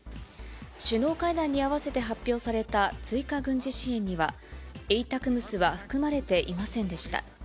首脳会談に合わせて発表された追加軍事支援には、エイタクムスは含まれていませんでした。